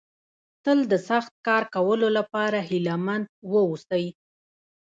تل د سخت کار کولو لپاره هيله مند ووسئ.